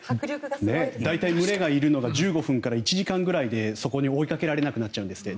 大体群れがいるのが１５分から１時間くらいで追いかけられなくなっちゃうんですって。